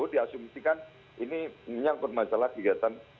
diasumsikan ini menyangkut masalah kegiatan